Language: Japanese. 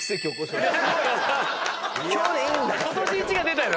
今年イチが出たよ。